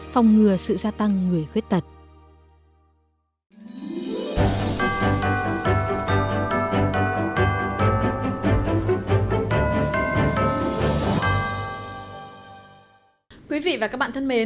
phòng ngừa sự gia tăng người khuyết tật